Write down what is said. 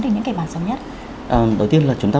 từ những kịch bản xấu nhất đầu tiên là chúng ta